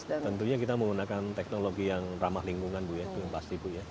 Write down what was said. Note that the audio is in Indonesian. tentunya kita menggunakan teknologi yang ramah lingkungan bu ya itu yang pasti bu ya